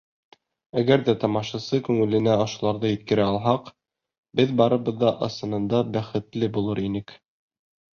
Әгәр ҙә тамашасы күңеленә ошоларҙы еткерә алһаҡ, беҙ барыбыҙ ҙа ысынында бәхетле булыр инек.